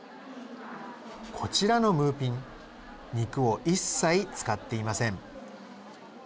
こちらのムーピン肉を一切使っていません。